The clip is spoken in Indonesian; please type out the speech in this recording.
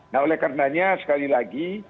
nah oleh karenanya sekali lagi